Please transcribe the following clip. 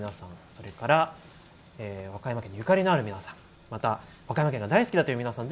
それから、和歌山県ゆかりのある皆さんまた和歌山県が大好きだという皆さん